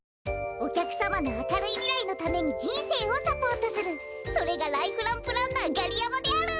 おきゃくさまのあかるいみらいのためにじんせいをサポートするそれがライフランプランナーガリヤマである。